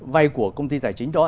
vay của công ty tài chính đó